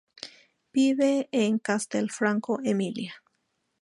Vive en Castelfranco Emilia.